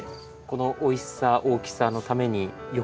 このおいしさ大きさのために欲張らない。